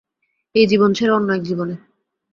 এই জীবন ছেড়ে অন্য এক জীবনে।